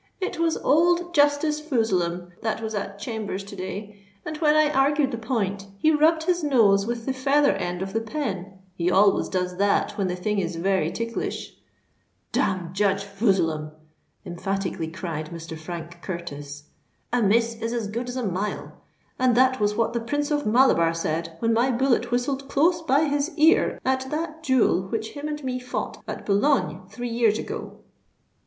"It was old Justice Foozlehem that was at Chambers to day; and, when I argued the point, he rubbed his nose with the feather end of the pen—he always does that when the thing is very ticklish——" "Damn Judge Foozlehem!" emphatically cried Mr. Frank Curtis. "A miss is as good as a mile; and that was what the Prince of Malabar said when my bullet whistled close by his ear at that duel which him and me fought at Boulogne three years ago.